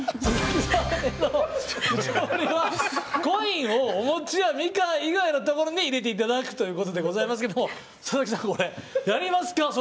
コインをお餅やみかん以外のところに入れていただくということでございますけれども佐々木さん、やりますか？